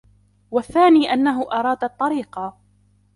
وَالثَّانِي أَنَّهُ أَرَادَ الطَّرِيقَ